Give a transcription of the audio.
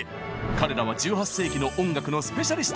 彼らは１８世紀の音楽のスペシャリスト！